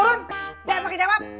jangan pake jawab